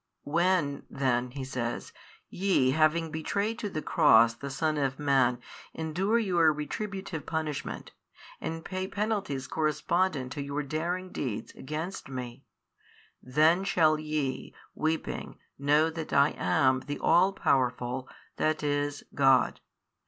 When then (He says) ye having betrayed to the cross the Son of man endure your retributive punishment, and pay penalties correspondent to your daring deeds against Me, then shall ye weeping know that I am the All Powerful, that is God.